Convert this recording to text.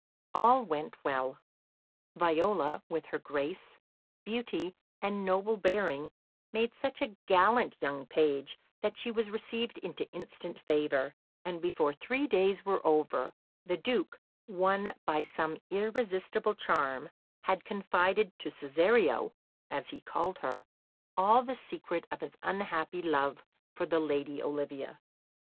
All went well. Viola, with her grace, beauty, and noble bearing, made such a gallant young page that she was received into instant favour, and before three days were over, the Duke, won by some irresistible charm, had confided to "Cesario" (as he called her) all the secret of his unhappy love for the lady Olivia.